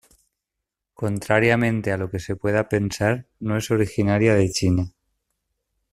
Contrariamente a lo que se pueda pensar, no es originaria de China.